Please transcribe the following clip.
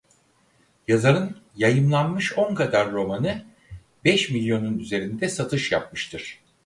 Yazarın Yayımlanmış on kadar romanı beş milyonun üzerinde satış yapmıştır.